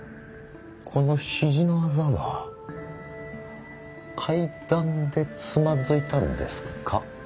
このひじのあざは階段でつまずいたんですか？